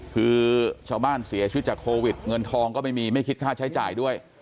คือชาวบ้านเสียชีวิตจากโควิดเงินทองก็ไม่มีไม่คิดค่าใช้จ่ายด้วย